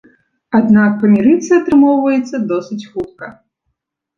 Аднак памірыцца атрымоўваецца досыць хутка.